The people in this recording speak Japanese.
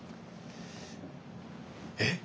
えっ！